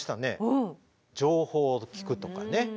情報を聴くとかね。